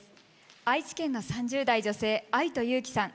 愛知県の３０代・女性愛と勇気さん。